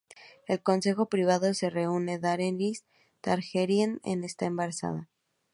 El Consejo Privado se reúne: Daenerys Targaryen está embarazada.